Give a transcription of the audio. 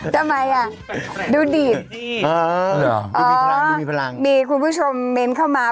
ทำไมอ่ะดูดีดดูมีพลังดูมีพลังมีคุณผู้ชมเม้นเข้ามา